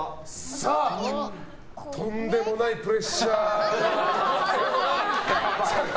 さあ、とんでもないプレッシャーが。